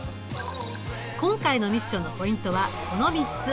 今回のミッションのポイントはこの３つ。